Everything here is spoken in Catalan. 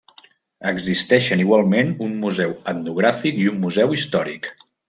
Existeixen igualment un Museu Etnogràfic i un Museu Històric.